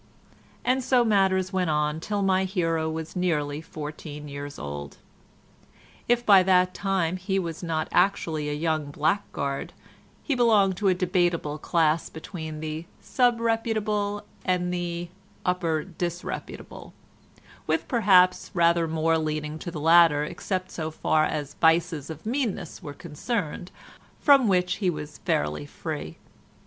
And so matters went on till my hero was nearly fourteen years old. If by that time he was not actually a young blackguard, he belonged to a debateable class between the sub reputable and the upper disreputable, with perhaps rather more leaning to the latter except so far as vices of meanness were concerned, from which he was fairly free.